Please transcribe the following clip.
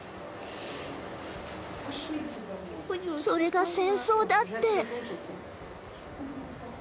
それが戦争だって。